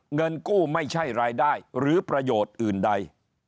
เงินกู้ไม่ใช่รายได้หรือประโยชน์อื่นใด